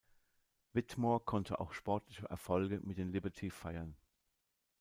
Whitmore konnte auch sportliche Erfolge mit den Liberty feiern.